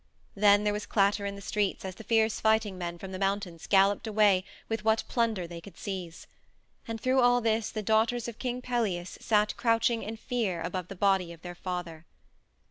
Then there was clatter in the streets as the fierce fighting men from the mountains galloped away with what plunder they could seize. And through all this the daughters of King Pelias sat crouching in fear above the body of their father.